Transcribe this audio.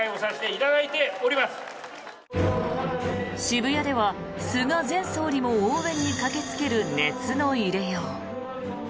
渋谷では菅前総理も応援に駆けつける熱の入れよう。